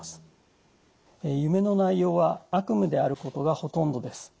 夢の内容は悪夢であることがほとんどです。